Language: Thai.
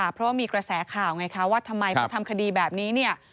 เพราะมีกระแสข่าวไงว่าทำไมพอทำคดีแบบนี้